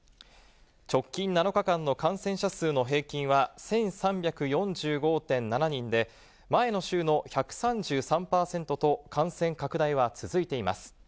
直近７日間の感染者数の平均は１３４５．７人で、前の週の１３３％と感染拡大は続いています。